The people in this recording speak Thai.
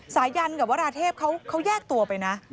สายันกับวราเทพเขาแยกตัวไปนะ